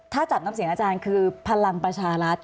ถ้าจับน้ำเสียงอาจารย์คือพลังประชารัฐ